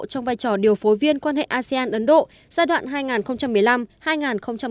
trong vai trò điều phối viên quan hệ asean ấn độ giai đoạn hai nghìn một mươi năm hai nghìn một mươi tám